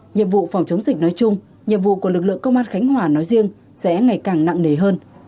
nhiệm vụ phòng chống dịch nói chung nhiệm vụ của lực lượng công an khánh hòa nói riêng sẽ ngày càng nặng nề hơn